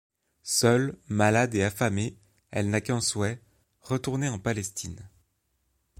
Seule, malade et affamée, elle n'a qu'un souhait: retourner en Palestine.